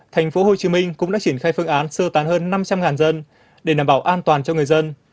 tp hcm cũng đã triển khai phương án sơ tán hơn năm trăm linh dân để đảm bảo an toàn cho người dân